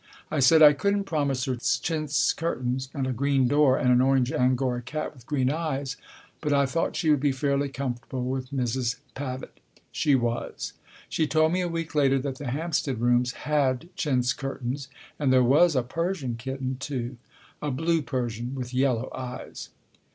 I said I couldn't promise her chintz curtains and a green door and an orange Angora cat with green eyes, but I thought she would be fairly comfortable with Mrs. Pavitt. She was. She told me a week later that the Hampstead rooms had chintz curtains and there was a Persian kitten too. A blue Persian, with yellow eyes.